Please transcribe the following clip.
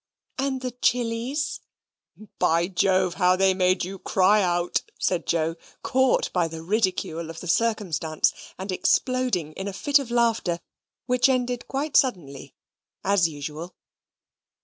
"And the chilis?" "By Jove, how they made you cry out!" said Joe, caught by the ridicule of the circumstance, and exploding in a fit of laughter which ended quite suddenly, as usual.